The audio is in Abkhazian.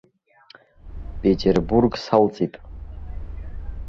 Петербург салҵит.